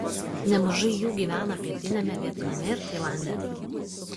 Nemažai jų gyvena pietiniame Vietname ir Tailande.